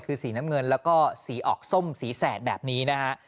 คือสีน้ำเงินแล้วก็สีออกส้มสีแสดแบบนี้นะฮะ